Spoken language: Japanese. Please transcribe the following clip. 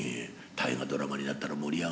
大河ドラマになったら盛り上がりますよね」。